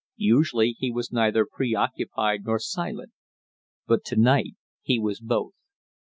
Usually he was neither preoccupied nor silent, but to night he was both.